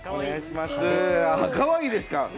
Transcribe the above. かわいいですか？